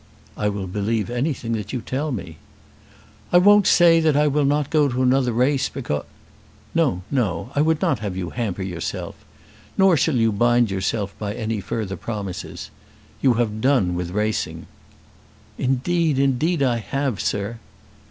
"I will believe anything that you tell me." "I won't say I will not go to another race, because " "No; no. I would not have you hamper yourself. Nor shall you bind yourself by any further promises. You have done with racing." "Indeed, indeed I have, sir."